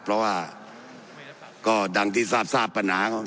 เพราะว่าก็ดังที่ทราบปัญหาของ